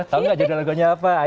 tau gak jodoh lagunya apa